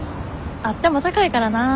あっても高いからなあ。